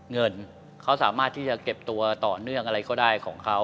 เงินเขาสามารถที่จะเก็บตัวต่อเนื่องอะไรก็ได้ของเขา